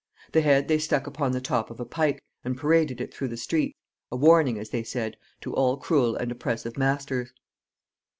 The head they stuck upon the top of a pike, and paraded it through the streets, a warning, as they said, to all cruel and oppressive masters.